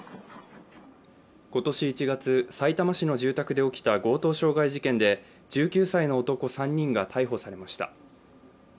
今年１月、さいたま市の住宅で起きた強盗傷害事件で１９歳の男３人が逮捕されました。